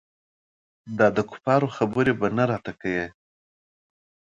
دا دکفارو خبرې به نه راته کيې.